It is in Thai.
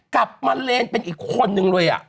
กลับมาเลนเป็นอีกคนนึงเลย